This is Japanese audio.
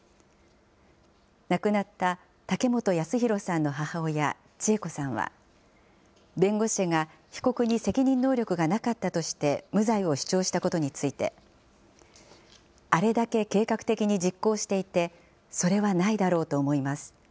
亡くなった武本康弘さんの母親、千惠子さんは、弁護士が被告に責任能力がなかったとして、無罪を主張したことについて、あれだけ計画的に実行していて、それはないだろうと思います。